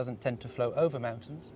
itulah mengapa kami berada di sini